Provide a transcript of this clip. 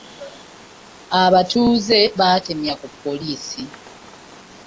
Abatuuze baatemya ku poliisi.